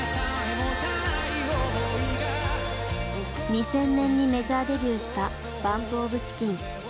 ２０００年にメジャーデビューしたＢＵＭＰＯＦＣＨＩＣＫＥＮ。